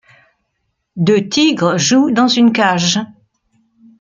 Deux tigres jouent dans une cage.